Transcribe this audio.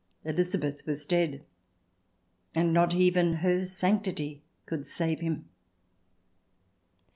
Elizabeth was dead, and not even her sanctity could save him.